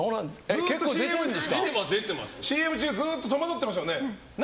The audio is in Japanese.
ＣＭ中ずっと戸惑ってましたね。